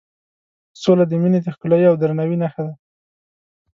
سوله د مینې د ښکلایې او درناوي نښه ده.